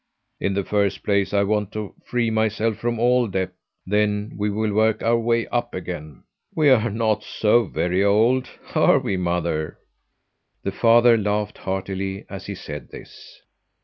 In the first place I want to free myself from all debt, then we will work our way up again. We're not so very old, are we, mother?" The father laughed heartily as he said this.